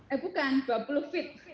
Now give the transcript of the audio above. eh bukan dua puluh feet